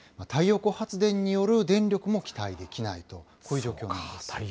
太陽光発電による電力も期待できないと、こういう状況なんです。